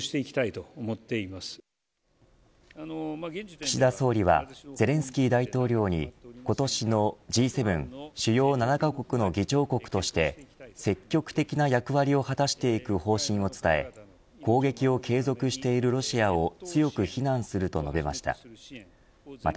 岸田総理はゼレンスキー大統領に今年のＧ７主要７カ国の議長国として積極的な役割を果たしていく方針を伝え攻撃を継続しているロシアを強く非難すると述べました。